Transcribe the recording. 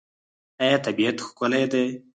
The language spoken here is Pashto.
آیا طبیعت ښکلی دی؟